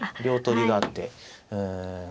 両取りがあって。